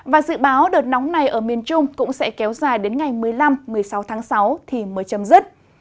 và dự báo đợt nóng này ở miền trung cũng sẽ kéo dài đến ngày một mươi năm một mươi sáu tháng sáu thì mới chấm dứt